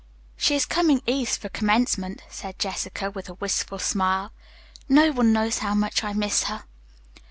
"She is coming east for commencement," said Jessica with a wistful smile. "No one knows how much I miss her."